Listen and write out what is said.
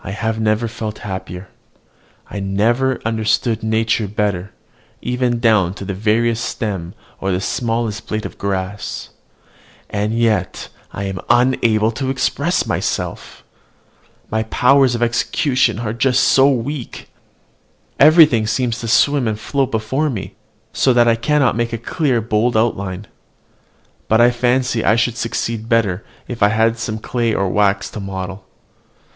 I never felt happier, I never understood nature better, even down to the veriest stem or smallest blade of grass; and yet I am unable to express myself: my powers of execution are so weak, everything seems to swim and float before me, so that I cannot make a clear, bold outline. But I fancy I should succeed better if I had some clay or wax to model.